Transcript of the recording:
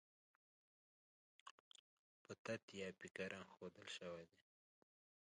په تت یا پیکه رنګ ښودل شوي دي.